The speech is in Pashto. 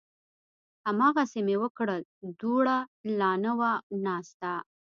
هماغسې مې وکړل، دوړه لا نه وه ناسته